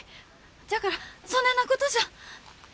じゃからそねえなことじゃ。